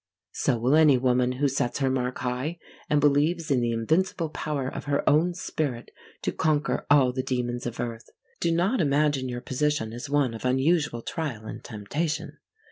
So will any woman, who sets her mark high, and believes in the invincible power of her own spirit to conquer all the demons of earth. Do not imagine your position is one of unusual trial and temptation.